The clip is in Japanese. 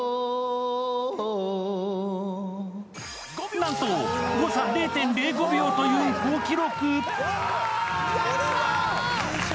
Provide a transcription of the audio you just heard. なんと誤差０．０５秒という好記録。